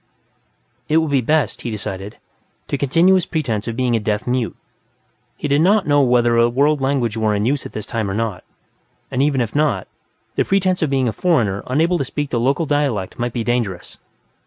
It would be best, he decided, to continue his pretense of being a deaf mute. He did not know whether a world language were in use at this time or not, and even if not, the pretense of being a foreigner unable to speak the local dialect might be dangerous.